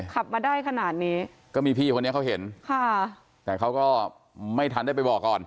ขับมาได้ขนาดนี้ก็มีพี่คนนี้เขาเห็นค่ะแต่เขาก็ไม่ทันได้ไปบอกก่อน